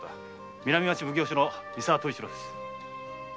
南町奉行所の三沢東一郎です。